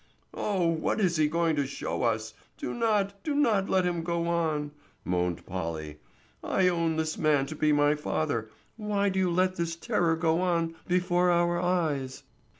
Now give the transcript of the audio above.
"Oh, what is he going to show us? Do not, do not let him go on," moaned Polly. "I own this man to be my father; why do you let this terror go on before our eyes?"